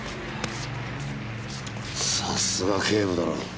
さすが警部殿。